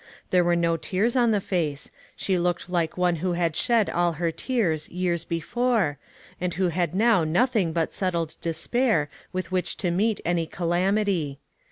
There were no tears on the face ; she looked like one who had shed all her tears years before, and who had now nothing but settled despair with which to meet any calamity.